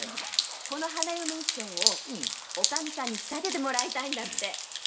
この花嫁衣装をおかみさんに仕立ててもらいたいんだって。